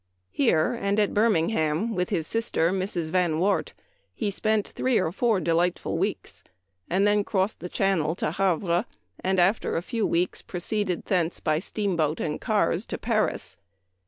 Here and at Birmingham, with his sister, Mrs. Van Wart, he spent three or four delightful weeks, and then crossed the channel to Havre, and after a few days proceeded thence by steam boat and cars to Paris.